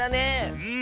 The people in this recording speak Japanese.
うん。